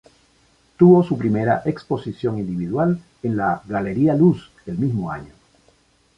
Tuvo su primera exposición individual en la Galería Luz el mismo año.